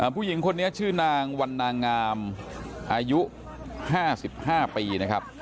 ผู้หญิงคนนี้ชื่อนางวันนางงามอายุ๕๕ปีนะครับ